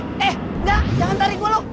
eh enggak jangan tarik gue loh